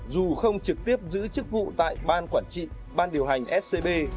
dù không trực tiếp giữ chức vụ tại ban quản trị ban điều hành scb